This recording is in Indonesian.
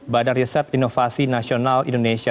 badan riset inovasi nasional indonesia